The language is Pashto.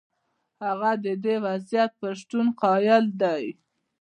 هغه د دې وضعیت پر شتون قایل دی.